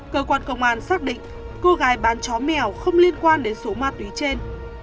cơ quan công an xác định cô gái bán chó mèo không liên quan đến số ma túy trên